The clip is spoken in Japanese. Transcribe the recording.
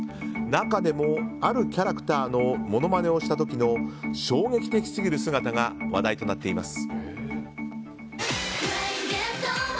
中でも、あるキャラクターのものまねをした時の衝撃的すぎる姿が話題となっています。